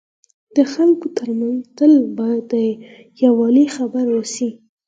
د خلکو ترمنځ تل باید د یووالي خبري وسي.